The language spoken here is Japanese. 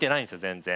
全然。